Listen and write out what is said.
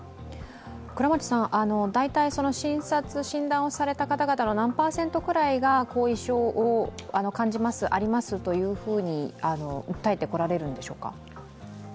大体、診察・診断をされた方の何％ぐらいが後遺症を感じますありますというふうに訴えてこられるんでしょうか。